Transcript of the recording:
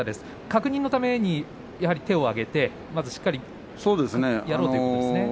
確認のためにやはり手を上げてしっかりやろうということですね。